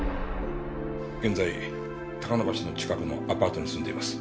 現在高野橋の近くのアパートに住んでいます。